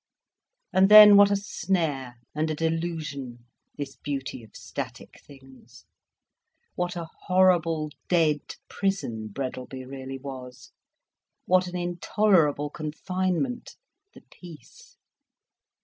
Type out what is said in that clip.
And then, what a snare and a delusion, this beauty of static things—what a horrible, dead prison Breadalby really was, what an intolerable confinement, the peace!